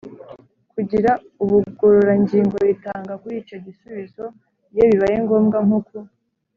kugira ubugororangingo ritanga kuri icyo gisubizo iyo bibaye ngombwa. Nko ku